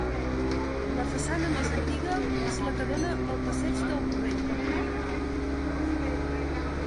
La façana més antiga és la que dóna al Passeig del Borrell.